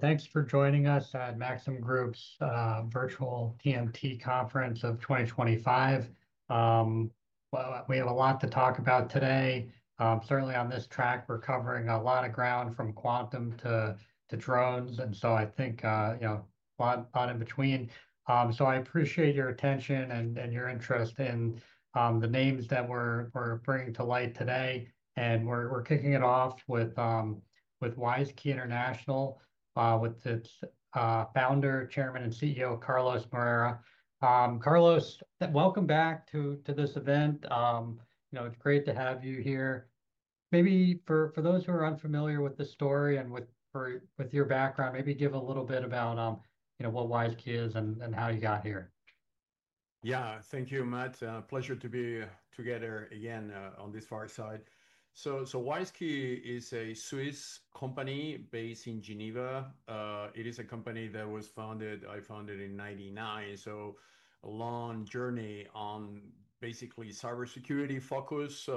Thanks for joining us at Maxim Group's virtual TMT Conference of 2025. We have a lot to talk about today. Certainly, on this track, we're covering a lot of ground from quantum to drones, and I think, you know, a lot in between. I appreciate your attention and your interest in the names that we're bringing to light today. We're kicking it off with WISeKey International, with its Founder, Chairman, and CEO, Carlos Moreira. Carlos, welcome back to this event. You know, it's great to have you here. Maybe for those who are unfamiliar with the story and with your background, maybe give a little bit about, you know, what WISeKey is and how you got here. Yeah, thank you, Matt. Pleasure to be together again on this far side. WISeKey is a Swiss company based in Geneva. It is a company that was founded—I founded it in 1999. A long journey on basically cybersecurity focus,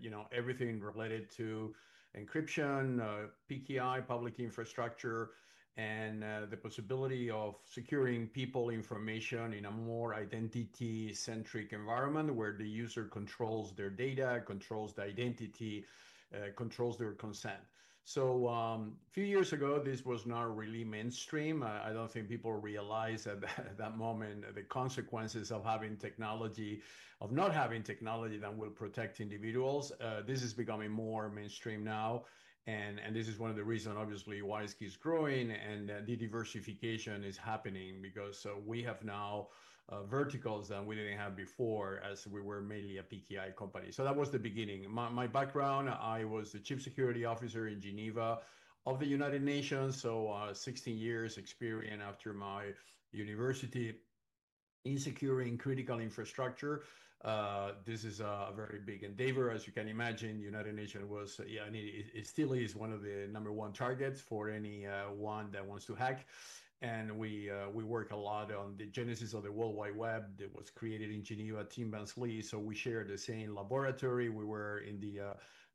you know, everything related to encryption, PKI, public infrastructure, and the possibility of securing people's information in a more identity-centric environment where the user controls their data, controls their identity, controls their consent. A few years ago, this was not really mainstream. I do not think people realized at that moment the consequences of having technology, of not having technology that will protect individuals. This is becoming more mainstream now. This is one of the reasons, obviously, WISeKey is growing and the diversification is happening because we have now verticals that we did not have before as we were mainly a PKI company. That was the beginning. My background, I was the Chief Security Officer in Geneva of the United Nations, so 16 years experience after my university in securing critical infrastructure. This is a very big endeavor, as you can imagine. The United Nations was, yeah, and it still is one of the number one targets for anyone that wants to hack. We work a lot on the genesis of the World Wide Web that was created in Geneva at Tim Berners-Lee. We share the same laboratory. We were in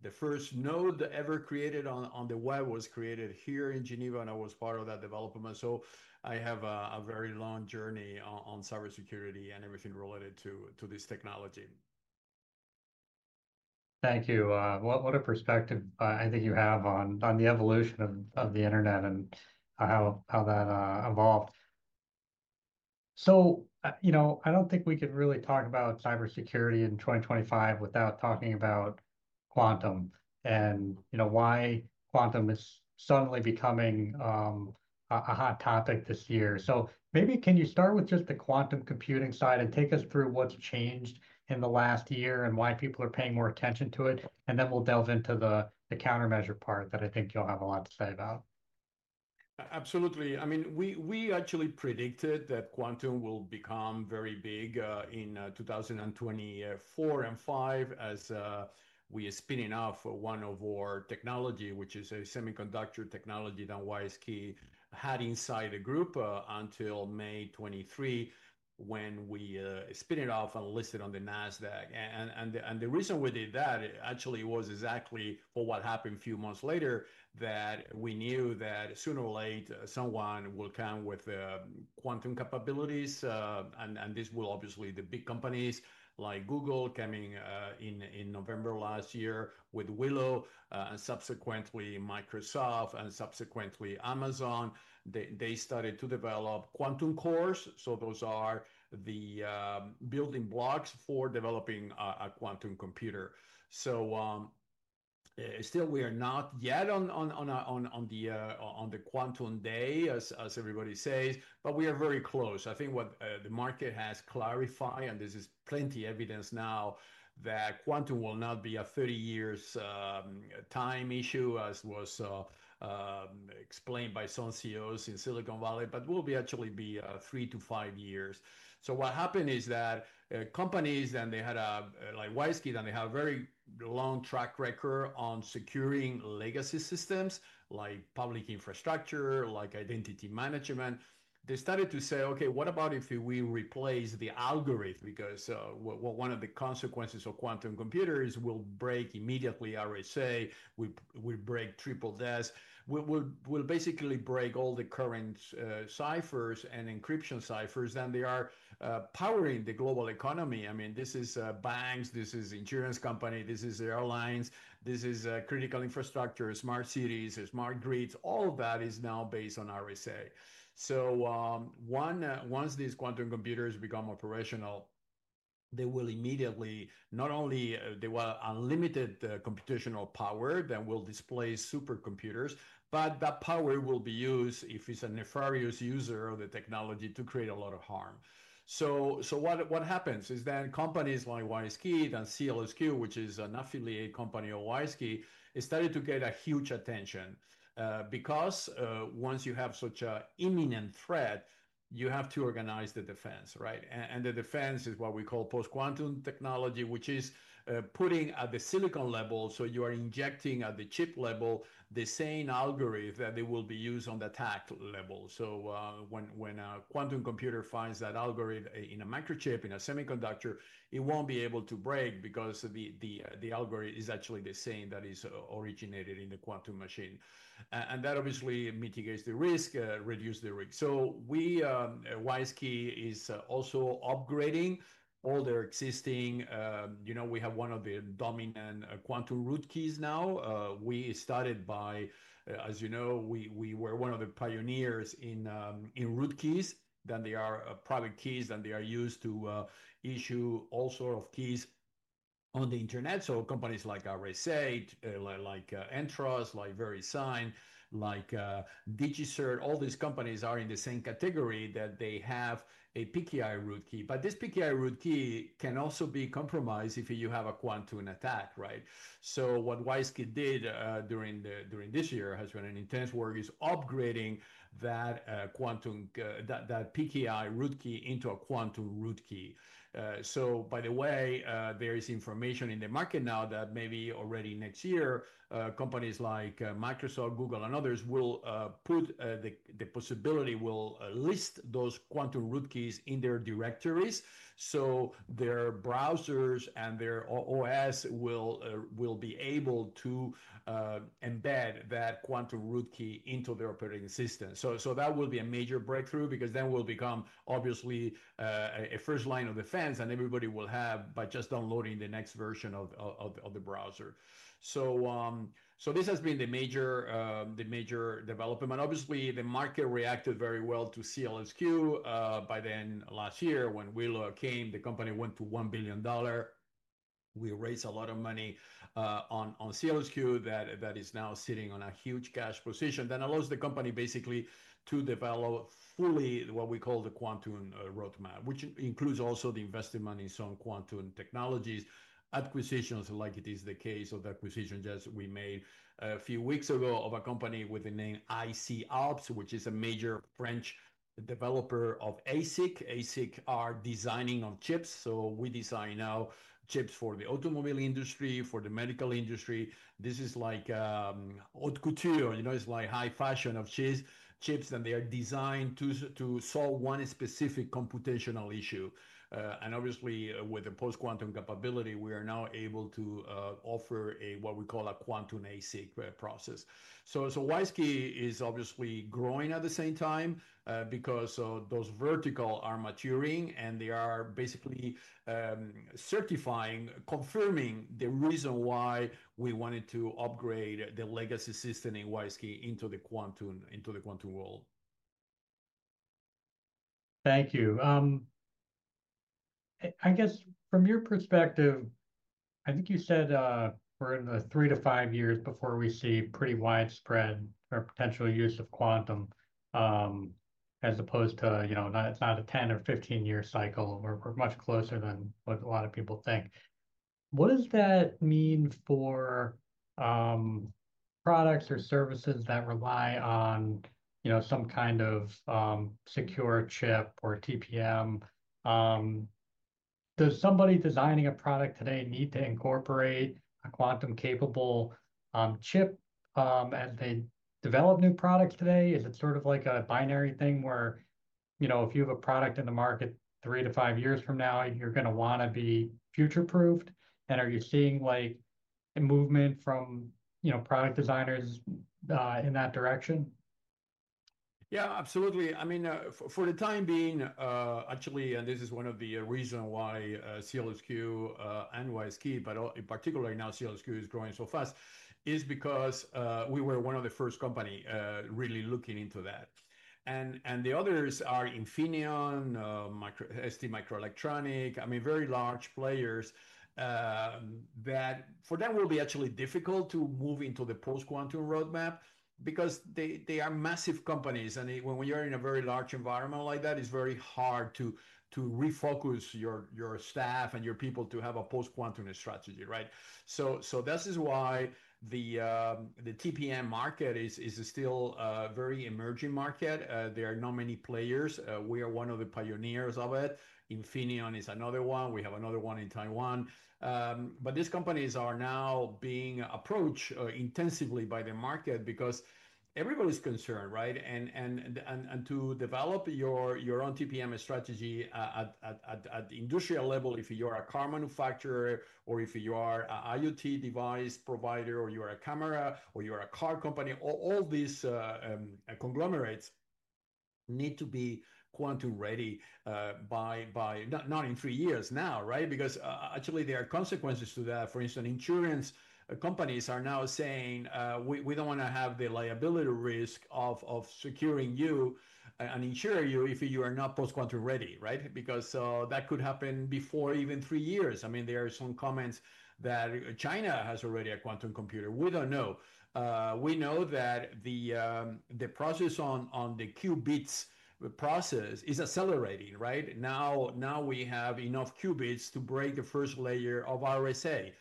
the first node ever created on the web was created here in Geneva, and I was part of that development. I have a very long journey on cybersecurity and everything related to this technology. Thank you. What a perspective I think you have on the evolution of the internet and how that evolved. You know, I do not think we could really talk about cybersecurity in 2025 without talking about quantum and, you know, why quantum is suddenly becoming a hot topic this year. Maybe can you start with just the quantum computing side and take us through what has changed in the last year and why people are paying more attention to it? Then we will delve into the countermeasure part that I think you will have a lot to say about. Absolutely. I mean, we actually predicted that quantum will become very big in 2024 and 2025 as we are spinning off one of our technologies, which is a semiconductor technology that WISeKey had inside the group until May 2023 when we spin it off and list it on the NASDAQ. The reason we did that actually was exactly for what happened a few months later that we knew that sooner or later someone will come with quantum capabilities. This will obviously be the big companies like Google coming in November last year with Willow and subsequently Microsoft and subsequently Amazon. They started to develop quantum cores. Those are the building blocks for developing a quantum computer. Still, we are not yet on the quantum day, as everybody says, but we are very close. I think what the market has clarified, and this is plenty of evidence now, that quantum will not be a 30-year time issue as was explained by some CEOs in Silicon Valley, but will actually be three to five years. What happened is that companies that they had like WISeKey that they have a very long track record on securing legacy systems like public infrastructure, like identity management, they started to say, "Okay, what about if we replace the algorithm? Because one of the consequences of quantum computers will break immediately RSA, will break triple DES, will basically break all the current ciphers and encryption ciphers that they are powering the global economy." I mean, this is banks, this is insurance companies, this is airlines, this is critical infrastructure, smart cities, smart grids. All of that is now based on RSA. Once these quantum computers become operational, they will immediately not only have unlimited computational power that will displace supercomputers, but that power will be used if it's a nefarious user of the technology to create a lot of harm. What happens is then companies like WISeKey and SEALSQ, which is an affiliate company of WISeKey, started to get huge attention because once you have such an imminent threat, you have to organize the defense, right? The defense is what we call post-quantum technology, which is putting at the silicon level. You are injecting at the chip level the same algorithm that will be used on the tack level. When a quantum computer finds that algorithm in a microchip, in a semiconductor, it won't be able to break because the algorithm is actually the same that is originated in the quantum machine. That obviously mitigates the risk, reduces the risk. WISeKey is also upgrading all their existing, you know, we have one of the dominant quantum root keys now. We started by, as you know, we were one of the pioneers in root keys that they are private keys that they are used to issue all sorts of keys on the internet. Companies like RSA, like Entrust, like VeriSign, like DigiCert, all these companies are in the same category that they have a PKI root key. This PKI root key can also be compromised if you have a quantum attack, right? What WISeKey did during this year has been an intense work is upgrading that quantum, that PKI root key into a quantum root key. By the way, there is information in the market now that maybe already next year, companies like Microsoft, Google, and others will put the possibility, will list those quantum root keys in their directories. Their browsers and their OS will be able to embed that quantum root key into their operating system. That will be a major breakthrough because then we'll become obviously a first line of defense and everybody will have by just downloading the next version of the browser. This has been the major development. Obviously, the market reacted very well to SEALSQ by then last year when Willow came, the company went to $1 billion. We raised a lot of money on SEALSQ that is now sitting on a huge cash position that allows the company basically to develop fully what we call the quantum roadmap, which includes also the investment in some quantum technologies acquisitions like it is the case of the acquisition just we made a few weeks ago of a company with the name iC'Alps, which is a major French developer of ASIC. ASIC are designing of chips. So we design now chips for the automobile industry, for the medical industry. This is like haute couture, you know, it's like high fashion of chips that they are designed to solve one specific computational issue. And obviously with the post-quantum capability, we are now able to offer what we call a quantum ASIC process. WISeKey is obviously growing at the same time because those verticals are maturing and they are basically certifying, confirming the reason why we wanted to upgrade the legacy system in WISeKey into the quantum world. Thank you. I guess from your perspective, I think you said we're in the three to five years before we see pretty widespread or potential use of quantum as opposed to, you know, it's not a 10 or 15-year cycle. We're much closer than what a lot of people think. What does that mean for products or services that rely on, you know, some kind of secure chip or TPM? Does somebody designing a product today need to incorporate a quantum-capable chip as they develop new products today? Is it sort of like a binary thing where, you know, if you have a product in the market three to five years from now, you're going to want to be future-proofed? Are you seeing like movement from, you know, product designers in that direction? Yeah, absolutely. I mean, for the time being, actually, and this is one of the reasons why SEALSQ and WISeKey, but in particular now SEALSQ is growing so fast, is because we were one of the first companies really looking into that. The others are Infineon, STMicroelectronics, I mean, very large players that for them will be actually difficult to move into the post-quantum roadmap because they are massive companies. When you're in a very large environment like that, it's very hard to refocus your staff and your people to have a post-quantum strategy, right? This is why the TPM market is still a very emerging market. There are not many players. We are one of the pioneers of it. Infineon is another one. We have another one in Taiwan. These companies are now being approached intensively by the market because everybody's concerned, right? To develop your own TPM strategy at the industrial level, if you're a car manufacturer or if you are an IoT device provider or you're a camera or you're a car company, all these conglomerates need to be quantum-ready by not in three years now, right? Because actually there are consequences to that. For instance, insurance companies are now saying, "We don't want to have the liability risk of securing you and insuring you if you are not post-quantum-ready," right? Because that could happen before even three years. I mean, there are some comments that China has already a quantum computer. We don't know. We know that the process on the qubits process is accelerating, right? Now we have enough qubits to break the first layer of RSA.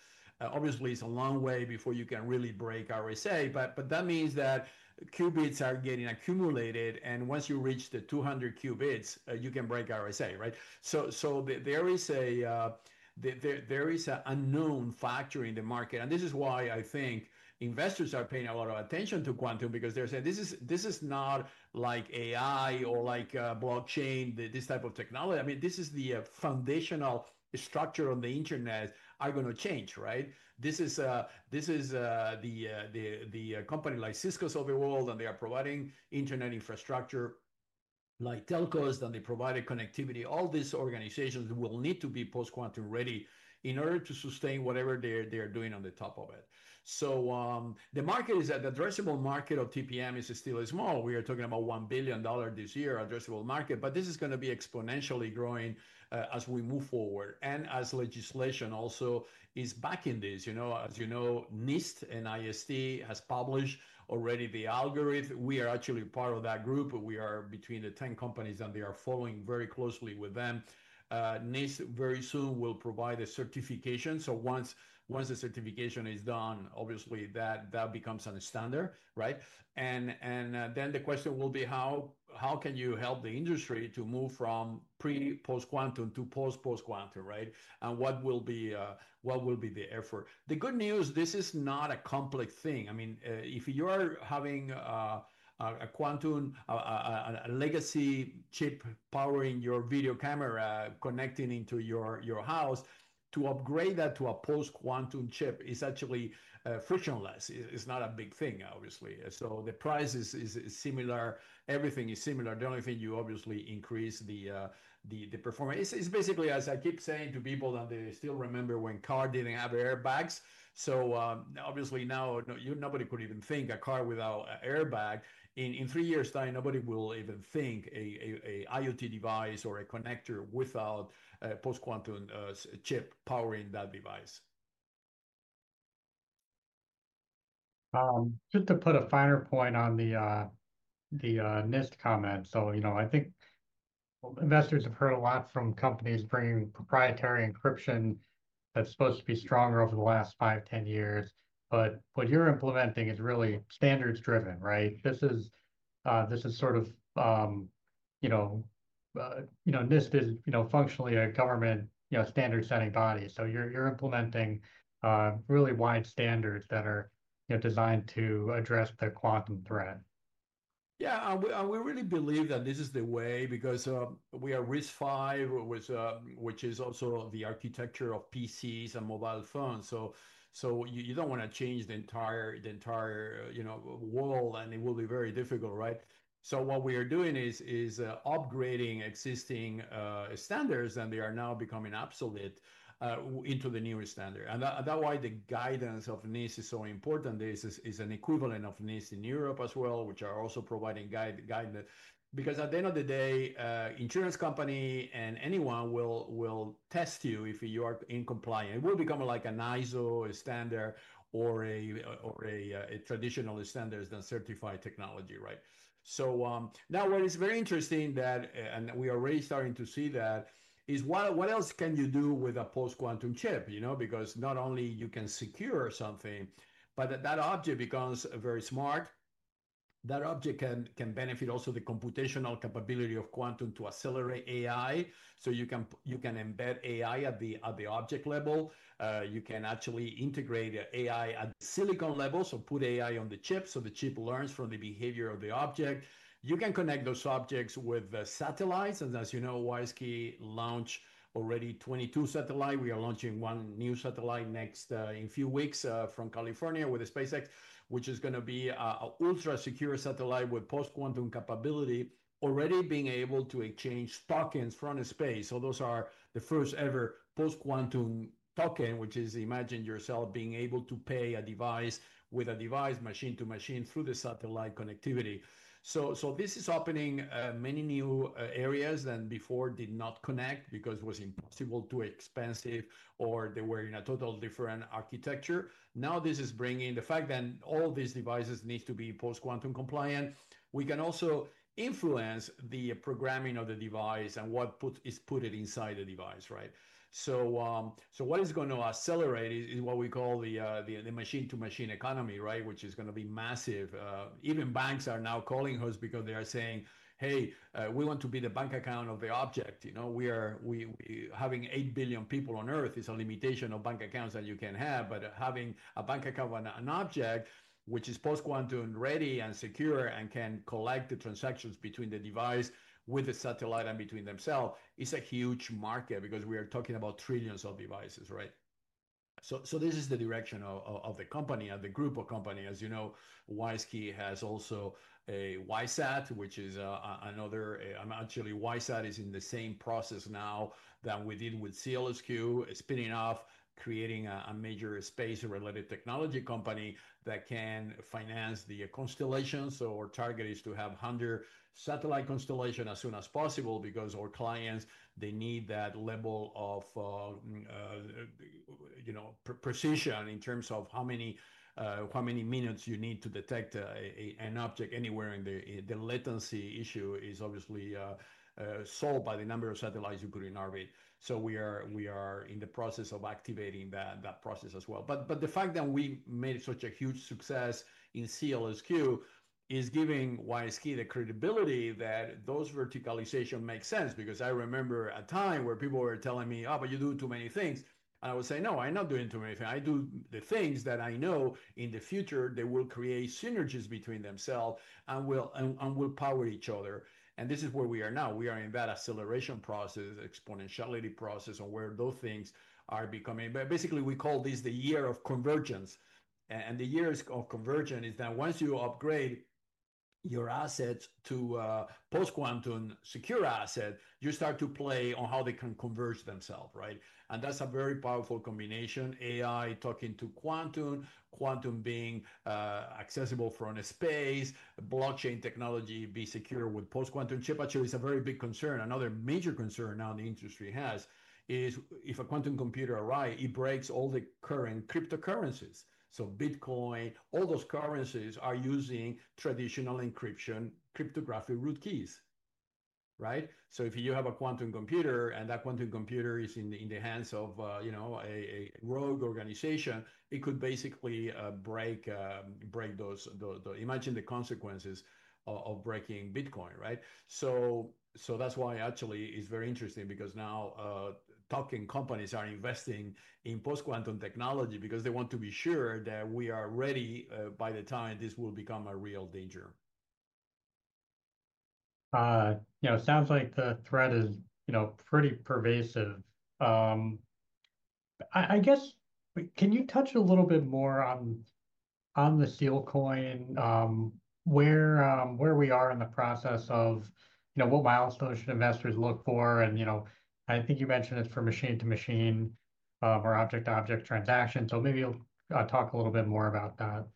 Obviously, it's a long way before you can really break RSA, but that means that qubits are getting accumulated. Once you reach the 200 qubits, you can break RSA, right? There is an unknown factor in the market. This is why I think investors are paying a lot of attention to quantum because they're saying, "This is not like AI or like blockchain, this type of technology." I mean, this is the foundational structure on the internet are going to change, right? This is the company like Cisco's of the world, and they are providing internet infrastructure like telcos that they provide connectivity. All these organizations will need to be post-quantum-ready in order to sustain whatever they're doing on the top of it. The market is that the addressable market of TPM is still small. We are talking about $1 billion this year addressable market, but this is going to be exponentially growing as we move forward and as legislation also is backing this. You know, as you know, NIST and NIST has published already the algorithm. We are actually part of that group. We are between the 10 companies that they are following very closely with them. NIST very soon will provide a certification. Once the certification is done, obviously that becomes a standard, right? The question will be, how can you help the industry to move from pre-post quantum to post-post quantum, right? What will be the effort? The good news, this is not a complex thing. I mean, if you are having a quantum legacy chip powering your video camera connecting into your house, to upgrade that to a post-quantum chip is actually frictionless. It's not a big thing, obviously. The price is similar. Everything is similar. The only thing, you obviously increase the performance. It's basically as I keep saying to people that they still remember when cars didn't have airbags. Obviously now nobody could even think a car without an airbag. In three years' time, nobody will even think an IoT device or a connector without a post-quantum chip powering that device. Just to put a finer point on the NIST comment. You know, I think investors have heard a lot from companies bringing proprietary encryption that's supposed to be stronger over the last five, ten years. What you're implementing is really standards-driven, right? This is sort of, you know, NIST is, you know, functionally a government, you know, standard-setting body. You're implementing really wide standards that are designed to address the quantum threat. Yeah, we really believe that this is the way because we are RISC-V, which is also the architecture of PCs and mobile phones. You do not want to change the entire, you know, world, and it will be very difficult, right? What we are doing is upgrading existing standards that they are now becoming obsolete into the newer standard. That is why the guidance of NIST is so important. There is an equivalent of NIST in Europe as well, which are also providing guidance. At the end of the day, insurance company and anyone will test you if you are in compliance. It will become like an ISO standard or a traditional standard that certifies technology, right? Now what is very interesting that we are already starting to see is what else can you do with a post-quantum chip, you know, because not only you can secure something, but that object becomes very smart. That object can benefit also from the computational capability of quantum to accelerate AI. You can embed AI at the object level. You can actually integrate AI at the silicon level. Put AI on the chip so the chip learns from the behavior of the object. You can connect those objects with satellites. As you know, WISeKey launched already 22 satellites. We are launching one new satellite next in a few weeks from California with SpaceX, which is going to be an ultra-secure satellite with post-quantum capability already being able to exchange tokens from space. Those are the first ever post-quantum token, which is imagine yourself being able to pay a device with a device machine-to-machine through the satellite connectivity. This is opening many new areas that before did not connect because it was impossible, too expensive, or they were in a totally different architecture. Now this is bringing the fact that all these devices need to be post-quantum compliant. We can also influence the programming of the device and what is put inside the device, right? What is going to accelerate is what we call the machine-to-machine economy, right? Which is going to be massive. Even banks are now calling us because they are saying, "Hey, we want to be the bank account of the object." You know, we are having 8 billion people on earth is a limitation of bank accounts that you can have, but having a bank account of an object, which is post-quantum ready and secure and can collect the transactions between the device with the satellite and between themselves, is a huge market because we are talking about trillions of devices, right? This is the direction of the company and the group of companies. As you know, WISeKey has also a WISeSat, which is another, actually WISeSat is in the same process now that we did with SEALSQ, spinning off, creating a major space-related technology company that can finance the constellations. Our target is to have 100 satellite constellations as soon as possible because our clients, they need that level of, you know, precision in terms of how many minutes you need to detect an object anywhere in the latency issue is obviously solved by the number of satellites you put in orbit. We are in the process of activating that process as well. The fact that we made such a huge success in SEALSQ is giving WISeKey the credibility that those verticalizations make sense because I remember a time where people were telling me, "Oh, but you do too many things." I would say, "No, I'm not doing too many things. I do the things that I know in the future they will create synergies between themselves and will power each other." This is where we are now. We are in that acceleration process, exponentiality process on where those things are becoming. Basically, we call this the year of convergence. The year of convergence is that once you upgrade your assets to post-quantum secure assets, you start to play on how they can converge themselves, right? That is a very powerful combination. AI talking to quantum, quantum being accessible from space, blockchain technology being secure with post-quantum chip. Actually, it is a very big concern. Another major concern now the industry has is if a quantum computer arrives, it breaks all the current cryptocurrencies. Bitcoin, all those currencies are using traditional encryption, cryptographic root keys, right? If you have a quantum computer and that quantum computer is in the hands of, you know, a rogue organization, it could basically break those, imagine the consequences of breaking Bitcoin, right? That's why actually it's very interesting because now companies are investing in post-quantum technology because they want to be sure that we are ready by the time this will become a real danger. You know, it sounds like the threat is, you know, pretty pervasive. I guess, can you touch a little bit more on the SEAL Coin, where we are in the process of, you know, what milestones should investors look for? You know, I think you mentioned it's for machine-to-machine or object-to-object transaction. Maybe you'll talk a little bit more about that.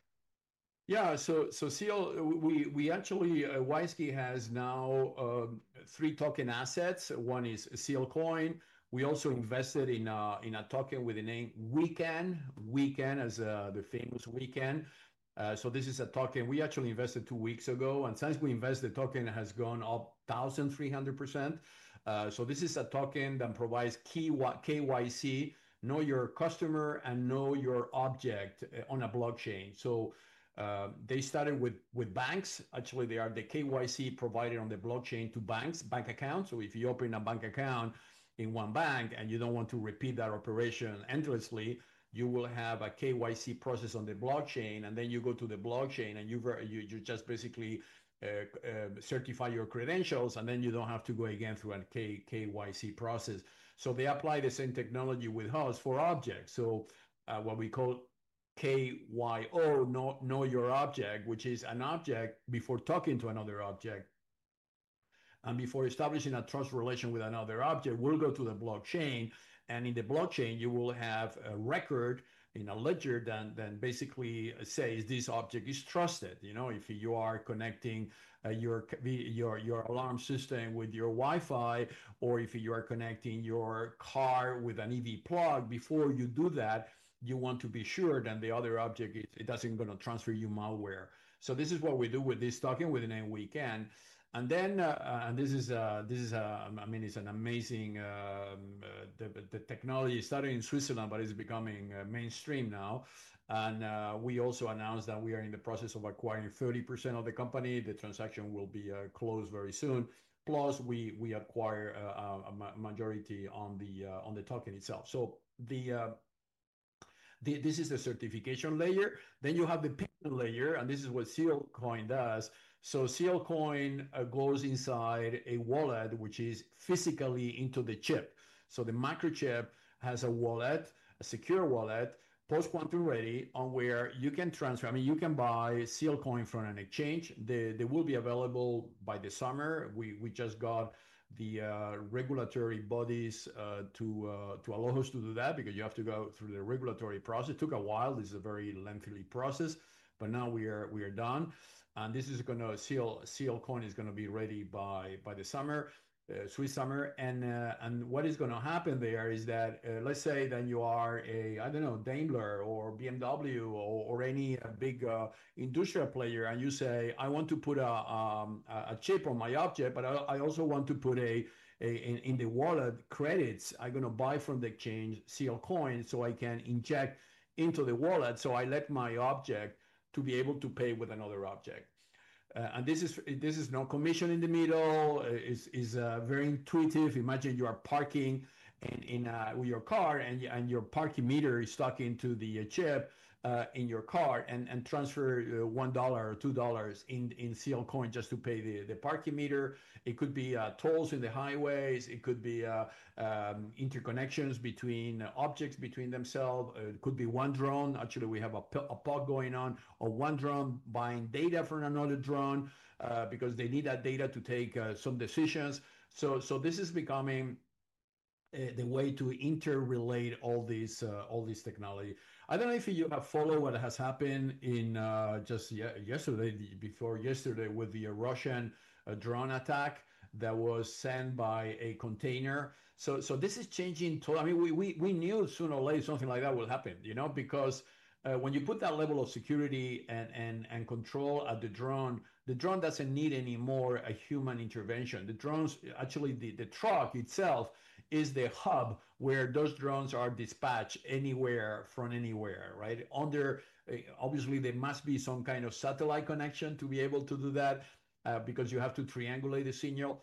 Yeah, so SEAL, we actually, WISeKey has now three token assets. One is SEAL Coin. We also invested in a token with the name WEEKN, WEEKN as the famous WEEKN. This is a token we actually invested two weeks ago. Since we invested, the token has gone up 1,300%. This is a token that provides KYC, Know Your Customer and Know Your Object on a blockchain. They started with banks. Actually, they are the KYC provider on the blockchain to banks, bank accounts. If you open a bank account in one bank and you do not want to repeat that operation endlessly, you will have a KYC process on the blockchain. You go to the blockchain and you just basically certify your credentials. You do not have to go again through a KYC process. They apply the same technology with us for objects. What we call KYO, Know Your Object, which is an object before talking to another object. Before establishing a trust relation with another object, it will go to the blockchain. In the blockchain, you will have a record in a ledger that basically says, "This object is trusted." You know, if you are connecting your alarm system with your Wi-Fi or if you are connecting your car with an EV plug, before you do that, you want to be sure that the other object, it is not going to transfer you malware. This is what we do with this token with the name WEEKN. I mean, it is amazing, the technology started in Switzerland, but it is becoming mainstream now. We also announced that we are in the process of acquiring 30% of the company. The transaction will be closed very soon. Plus, we acquire a majority on the token itself. This is the certification layer. Then you have the payment layer. This is what SEAL Coin does. SEAL Coin goes inside a wallet, which is physically into the chip. The microchip has a wallet, a secure wallet, post-quantum ready on where you can transfer. I mean, you can buy SEAL Coin from an exchange. They will be available by the summer. We just got the regulatory bodies to allow us to do that because you have to go through the regulatory process. It took a while. This is a very lengthy process. Now we are done. SEAL Coin is going to be ready by the summer, Swiss summer. What is going to happen there is that let's say that you are a, I don't know, Daimler or BMW or any big industrial player. You say, "I want to put a chip on my object, but I also want to put in the wallet credits I'm going to buy from the exchange SEAL Coin so I can inject into the wallet." I let my object be able to pay with another object. This is no commission in the middle. It is very intuitive. Imagine you are parking with your car and your parking meter is stuck into the chip in your car and transfer $1 or $2 in SEAL Coin just to pay the parking meter. It could be tolls in the highways. It could be interconnections between objects between themselves. It could be one drone. Actually, we have a pod going on, one drone buying data from another drone because they need that data to take some decisions. This is becoming the way to interrelate all this technology. I don't know if you have followed what has happened in just yesterday, before yesterday with the Russian drone attack that was sent by a container. This is changing totally. I mean, we knew sooner or later something like that would happen, you know, because when you put that level of security and control at the drone, the drone doesn't need any more human intervention. The drones, actually the truck itself is the hub where those drones are dispatched anywhere from anywhere, right? Obviously, there must be some kind of satellite connection to be able to do that because you have to triangulate the signal.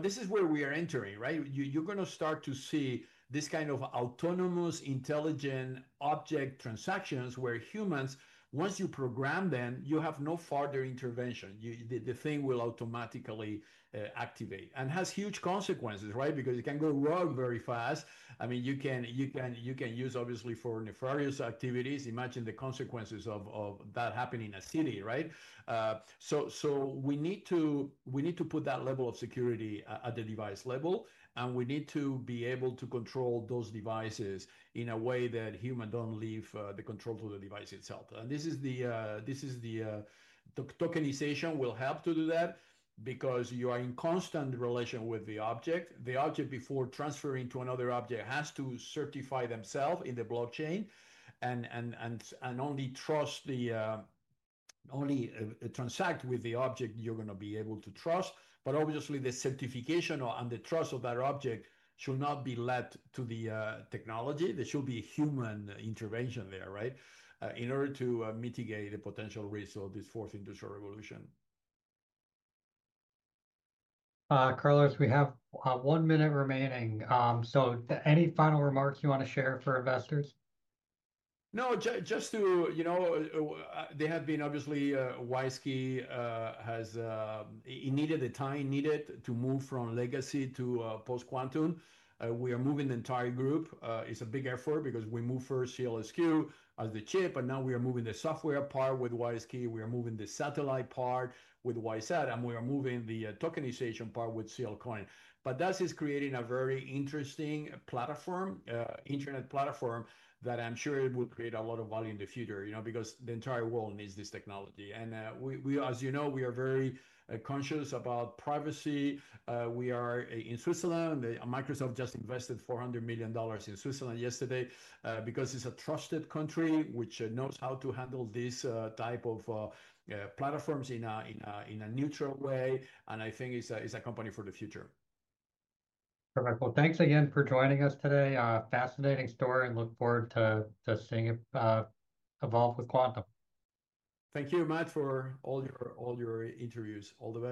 This is where we are entering, right? You're going to start to see this kind of autonomous intelligent object transactions where humans, once you program them, you have no further intervention. The thing will automatically activate and has huge consequences, right? I mean, you can use obviously for nefarious activities. Imagine the consequences of that happening in a city, right? We need to put that level of security at the device level. We need to be able to control those devices in a way that humans don't leave the control to the device itself. This is the tokenization will help to do that because you are in constant relation with the object. The object before transferring to another object has to certify themselves in the blockchain and only trust, only transact with the object you're going to be able to trust. Obviously, the certification and the trust of that object should not be led to the technology. There should be human intervention there, right? In order to mitigate the potential risk of this fourth industrial revolution. Carlos, we have one minute remaining. So any final remarks you want to share for investors? No, just to, you know, there have been obviously WISeKey has needed the time needed to move from legacy to post-quantum. We are moving the entire group. It's a big effort because we moved first SEALSQ as the chip. Now we are moving the software part with WISeKey. We are moving the satellite part with WISeSat. And we are moving the tokenization part with SEAL Coin. That is creating a very interesting platform, internet platform that I'm sure it will create a lot of value in the future, you know, because the entire world needs this technology. We, as you know, we are very conscious about privacy. We are in Switzerland. Microsoft just invested $400 million in Switzerland yesterday because it's a trusted country which knows how to handle this type of platforms in a neutral way. I think it's a company for the future. Thanks again for joining us today. Fascinating story and look forward to seeing it evolve with quantum. Thank you Matt for all your interviews.